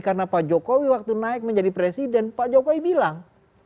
karena pak jokowi waktu naik menjadi presiden pak jokowi bilang